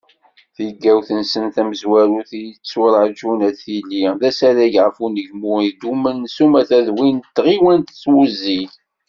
Tigawt-nsen tamezwarut i yetturaǧun ad tili, d asarag ɣef unegmu idumen s umata d win n tɣiwant s wuzzig.